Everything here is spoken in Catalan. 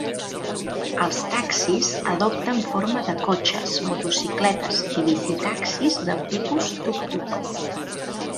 Els taxis adopten forma de cotxes, motocicletes i bicitaxis de tipus "tuk-tuk".